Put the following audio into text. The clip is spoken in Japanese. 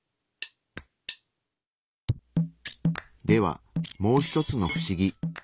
ではもう一つのフシギ。